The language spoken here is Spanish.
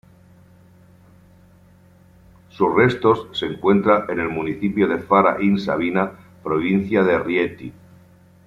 Sus restos se encuentran en el municipio de Fara in Sabina, provincia de Rieti.